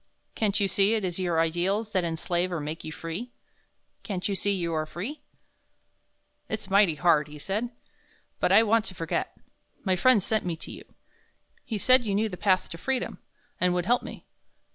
Can't you see it is your ideals that enslave or make you free? Can't you see you are free?" "It's mighty hard," he said, "but I want to forget. My friend sent me to you. He said you knew the path to freedom, and would help me.